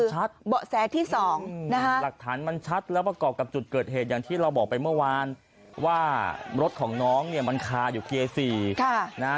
เบาะแสที่๒นะฮะหลักฐานมันชัดแล้วประกอบกับจุดเกิดเหตุอย่างที่เราบอกไปเมื่อวานว่ารถของน้องเนี่ยมันคาอยู่เกียร์๔นะฮะ